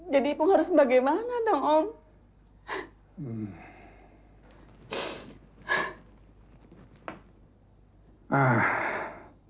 jadi ipung harus bagaimana dong om